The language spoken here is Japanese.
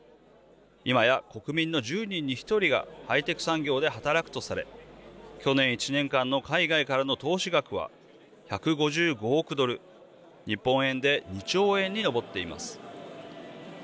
今や国民の１０人に１人がハイテク産業で働くとされ去年１年間の海外からの投資額は１５５億ドル日本円で２兆円に上っています。